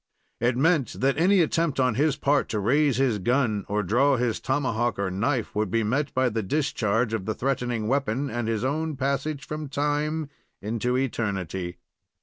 It meant that any attempt on his part to raise his gun or draw his tomahawk or knife, would be met by the discharge of the threatening weapon, and his own passage from time into eternity.